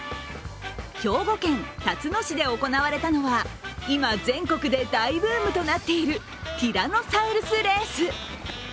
兵庫県たつの市で行われたのは今、全国で大ブームとなっているティラノサウルスレース。